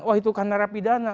oh itu kan narapidana